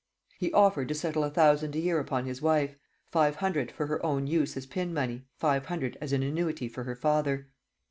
He offered to settle a thousand a year upon his wife five hundred for her own use as pin money, five hundred as an annuity for her father.